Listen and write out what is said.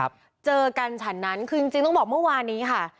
เจอกันฉันนั้นคือจริงจริงต้องบอกเมื่อวานี้ค่ะ